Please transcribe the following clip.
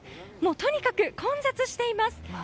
とにかく混雑しています！